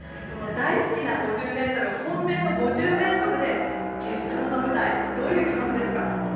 大好きな５０ｍ本命の５０ｍで決勝の舞台どういう気持ちですか？